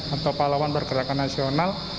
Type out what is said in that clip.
atau pahlawan pergerakan nasional